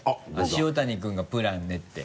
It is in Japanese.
塩谷君がプラン練って。